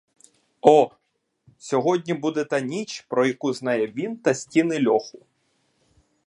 О, сьогодні буде та ніч, про яку знає він та стіни льоху.